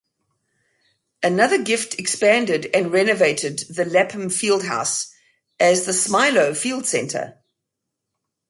Another gift expanded and renovated the Lapham Field House as the Smilow Field Center.